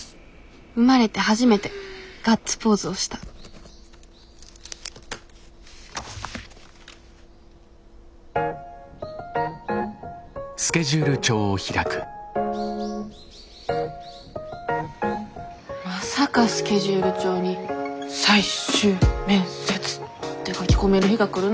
生まれて初めてガッツポーズをしたまさかスケジュール帳に「最終面接」って書き込める日が来るなんてさ